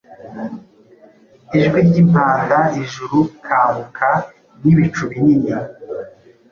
Ijwi ryimpanda ijuru Kanguka n’ibicu binini